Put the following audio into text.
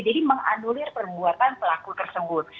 jadi menganulir perbuatan pelaku tersebut